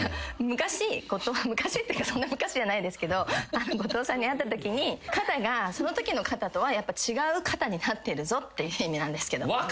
昔昔ってそんな昔じゃないですけど後藤さんに会ったときに肩がそのときの肩とはやっぱ違う肩になってるぞっていう意味なんですけど。